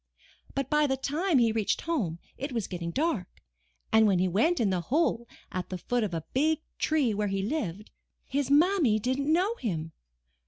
But by the time he reached home it was getting dark, and when he went in the hole at the foot of a 153 MY BOOK HOUSE big tree where he lived, his Mammy didn't know him.